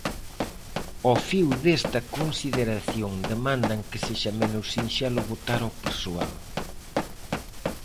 Ao fío desta consideración, demandan que sexa menos sinxelo botar ao persoal.